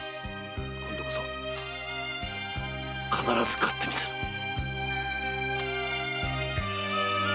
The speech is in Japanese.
今度こそ必ず勝ってみせる！